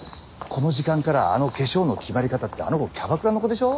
この時間からあの化粧の決まり方ってあの子キャバクラの子でしょ？